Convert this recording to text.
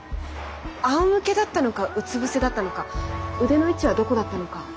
あおむけだったのかうつ伏せだったのか腕の位置はどこだったのか。